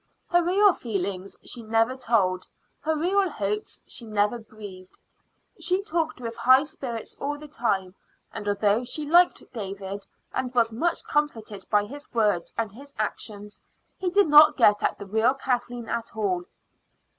Her real feelings she never told; her real hopes she never breathed. She talked with high spirits all the time; and although she liked David and was much comforted by his words and his actions, he did not get at the real Kathleen at all.